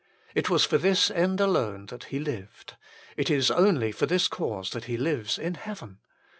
It was for this end alone that He lived : it is only for this cause that He lives in heaven.